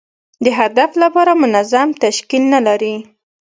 د هدف لپاره منظم تشکیل نه لري.